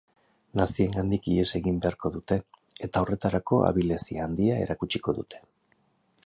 Naziengandik ihes egin beharko dute eta horretarako abilezia handia erakutsiko dute.